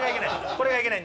これがいけない。